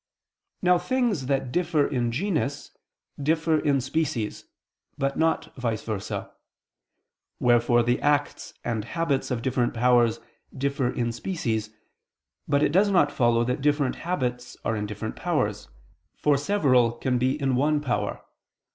Now things that differ in genus differ in species, but not vice versa. Wherefore the acts and habits of different powers differ in species: but it does not follow that different habits are in different powers, for several can be in one power.